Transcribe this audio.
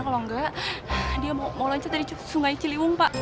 kalau nggak dia mau lancet dari sungai ciliwung pak